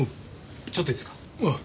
ちょっといいですか。